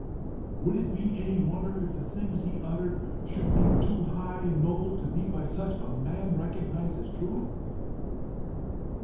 Would it be any wonder if the things he uttered should be too high and noble to be by such a man recognized as truth?"